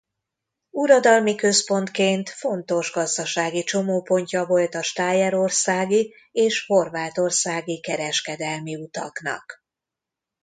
Uradalmi központként fontos gazdasági csomópontja volt a stájerországi és horvátországi kereskedelmi utaknak.